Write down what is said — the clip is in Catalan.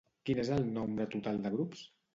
Quin és el nombre total de grups?